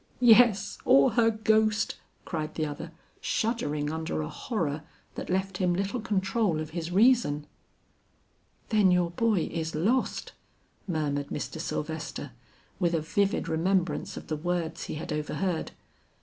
"Yes, or her ghost," cried the other, shuddering under a horror that left him little control of his reason. "Then your boy is lost," murmured Mr. Sylvester, with a vivid remembrance of the words he had overheard.